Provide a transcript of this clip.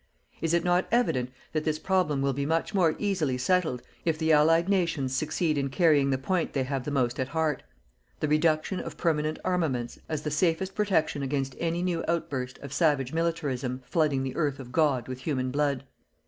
Is it not evident that this problem will be much more easily settled if the Allied nations succeed in carrying the point they have the most at heart: The reduction of permanent armaments as the safest protection against any new outburst of savage militarism flooding the earth of God with human blood.